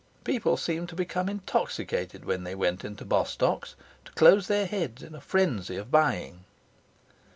People seemed to become intoxicated when they went into Bostock's, to close their heads in a frenzy of buying.